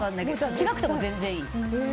違くても全然いい。